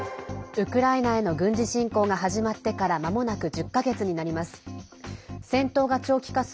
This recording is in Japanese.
ウクライナへの軍事侵攻が始まってからまもなく１０か月になります。